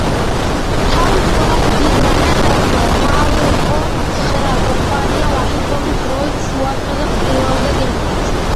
თავის ყველაზე დიდ რაკეტას „ფალკონ ცხრა“ კომპანია ვაშინგტონის დროით შუადღეზე, პირველზე გეგმავს.